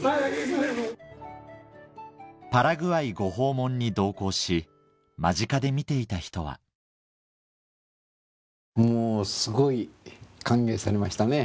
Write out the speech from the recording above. パラグアイご訪問に同行し間近で見ていた人はもうすごい歓迎されましたね。